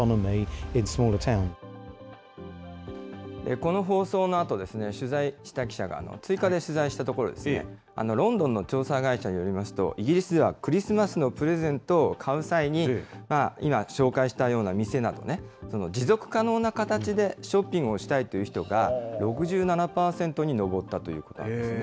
この放送のあと、取材した記者が、追加で取材したところ、ロンドンの調査会社によりますと、イギリスではクリスマスのプレゼントを買う際に、今、紹介したような店などね、持続可能な形でショッピングをしたいという人が、６７％に上ったということなんですね。